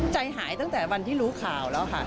ใจหายตั้งแต่วันที่รู้ข่าวแล้วค่ะ